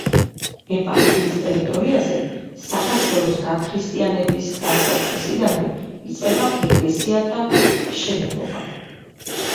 ეპარქიის ტერიტორიაზე საქართველოს გაქრისტიანების დასაწყისიდანვე იწყება ეკლესიათა მშენებლობა.